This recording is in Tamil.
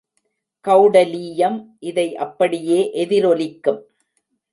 கெளடலீயம் இதை அப்படியே எதிரொலிக்கும்.